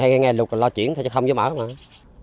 hay ngày lục là lo chuyển thôi chứ không giống ổng